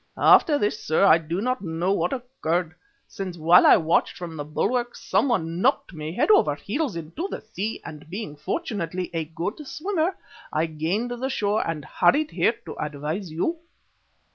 After this, sir, I do not know what occurred, since while I watched from the bulwarks someone knocked me head over heels into the sea and being fortunately, a good swimmer, I gained the shore and hurried here to advise you."